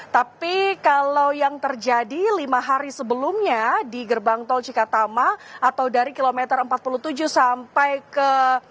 tapi kalau yang terjadi lima hari sebelumnya di gerbang tol cikatama atau dari kilometer empat puluh tujuh sampai ke